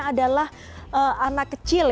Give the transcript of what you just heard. adalah anak kecil